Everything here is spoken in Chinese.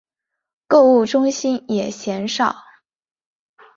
购物中心也鲜少。